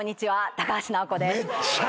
高橋尚子です。